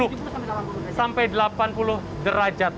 suhu sekitar tujuh puluh sampai delapan puluh derajat